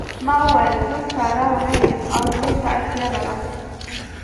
ما وویل زه ساړه وهلی یم او اور ته اړتیا لرم